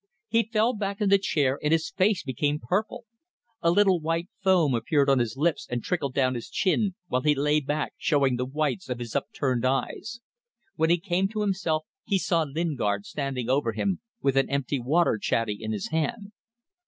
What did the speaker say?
He fell back in the chair and his face became purple. A little white foam appeared on his lips and trickled down his chin, while he lay back, showing the whites of his upturned eyes. When he came to himself he saw Lingard standing over him, with an empty water chatty in his hand.